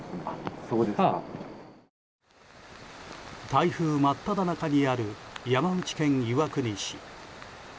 台風真っただ中にある山口県岩国市。